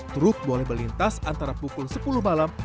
truk boleh melintas antara pukul sepuluh malam